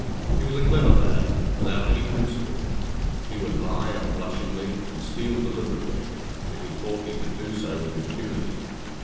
He was a clever lad, without any principle; he would lie unblushingly, and steal deliberately, if he thought he could do so with impunity.